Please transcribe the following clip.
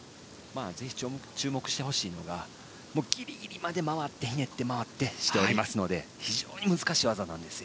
ぜひ注目してほしいのがギリギリまでひねって回ってしておりますので非常に難しい技です。